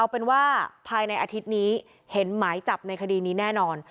เอาเป็นว่าภายในอาทิตย์นี้เห็นหมายจับในคดีนี้แน่นอน